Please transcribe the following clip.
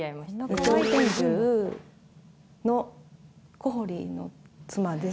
２丁拳銃の小堀の妻です